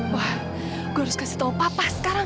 wah gue harus kasih tau papa sekarang